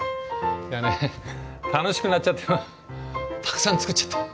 いやね楽しくなっちゃってたくさん作っちゃった。